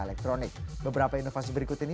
elektronik beberapa inovasi berikut ini